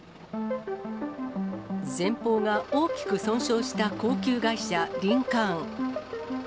前方が大きく損傷した高級外車、リンカーン。